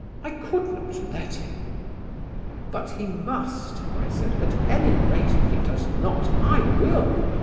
I could not let him." "But he must," I said, "at any rate if he does not I will.